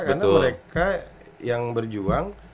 karena mereka yang berjuang